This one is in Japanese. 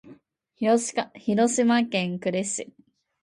広島県呉市